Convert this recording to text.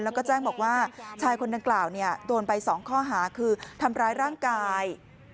แล้วก็แจ้งบอกว่าชายคนดังกล่าวโดนไป๒ข้อหาคือทำร้ายร่างกาย